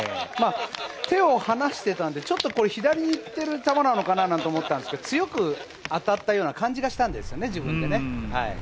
手を離していたんで左にいっている球なのかなと思ったんですけど強く当たったような感じがしたんですね、自分で。